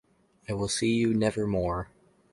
I will see you never more.